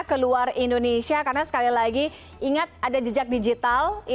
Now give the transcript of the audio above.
keluar indonesia karena sekali lagi ingat ada jejak digital